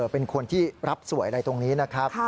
เป็นคนที่รับสวยอะไรตรงนี้นะครับ